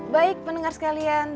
baik pendengar sekalian